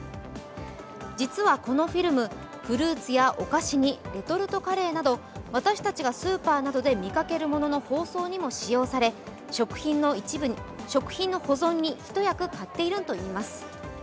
実はこのフィルム、フルーツやお菓子にレトルトカレーなど私たちがスーパーなどで見かけるものの包装にも使用され食品の保存に一役買っているといいます。